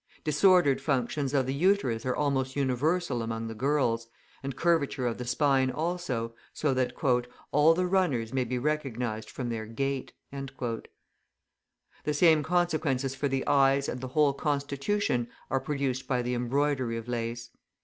Disordered functions of the uterus are almost universal among the girls, and curvature of the spine also, so that "all the runners may be recognised from their gait." The same consequences for the eyes and the whole constitution are produced by the embroidery of lace.